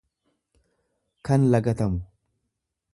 Kan lagatamu.